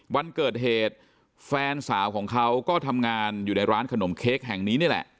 วันเกิดเหตุแฟนสาวของเขาก็ทำงานอยู่ในร้านขนมเค้กแห่งนี้นี่แหละ